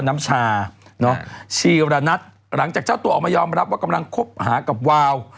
น้ำชาชีรณัทหลังจากเจ้าตัวออกมายอมรับว่ากำลังคบหากับวาว